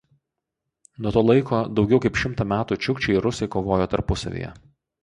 Nuo to laiko daugiau kaip šimtą metų čiukčiai ir rusai kovojo tarpusavyje.